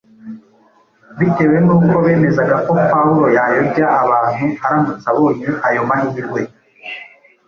bitewe n’uko bemezaga ko Pawulo yayobya abantu aramutse abonye ayo mahirwe.